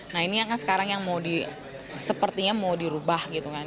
nah ini yang kan sekarang yang mau di sepertinya mau dirubah gitu kan